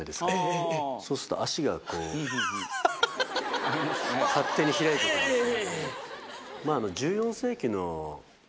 そうすると足がこう勝手に開いていくんですよ。